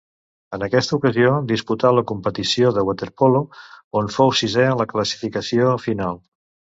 En aquesta ocasió disputà la competició de waterpolo, on fou sisè en la classificació final.